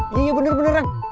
iya iya bener beneran